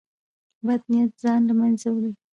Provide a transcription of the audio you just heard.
بد نیت ځان له منځه وړي.